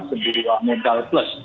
sebuah modal plus